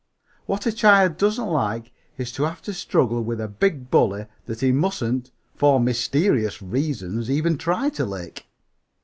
What a child doesn't like is to have to struggle with a big bully that he mustn't (for mysterious reasons) even try to lick!